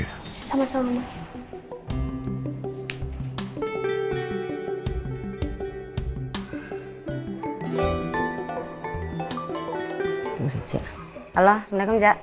halo assalamualaikum jay